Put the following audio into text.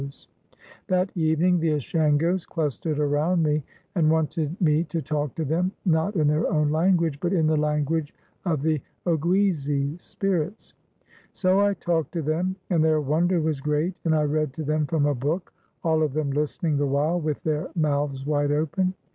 403 WESTERN AND CENTRAL AFRICA That evening the Ashangos clustered around me, and wanted me to talk to them, not in their own language, but in the language of the Oguizis (spirits) . So I talked to them, and their wonder was great, and I read to them from a book, all of them Hstening the while with their mouths wide open.